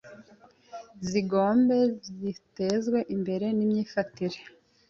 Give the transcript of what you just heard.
zigombe gutezwe imbere n’imyifetire